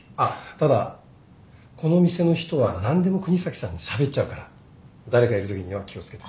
ただこの店の人は何でも國東さんにしゃべっちゃうから誰かいるときには気を付けて。